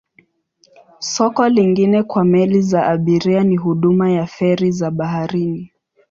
Soko lingine kwa meli za abiria ni huduma ya feri za baharini.